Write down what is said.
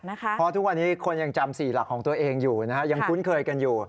เพราะทุกวันนี้คนยังจำ๔หลักของตัวเองอยู่ยังคุ้นเคยกันอยู่